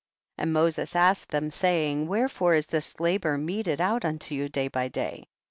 35. And Moses asked them, say ing, wherefore is this labor meted out unto you day by day